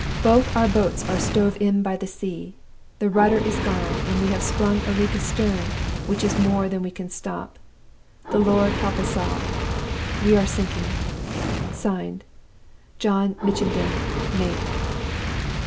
"Both our boats are stove in by the sea. The rudder is gone, and we have sprung a leak astern which is more than we can stop. The Lord help us all we are sinking. (Signed) John Mitchenden, Mate."